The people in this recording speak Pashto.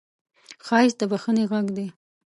ښایست د بښنې غږ دی